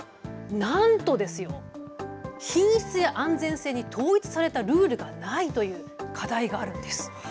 何とですよ、品質や安全性に統一されたルールがないという課題があるんです。